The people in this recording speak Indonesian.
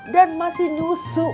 dan masih nyusuk